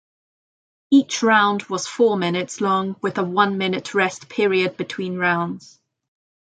Each round was four minutes long with a one-minute rest period between rounds.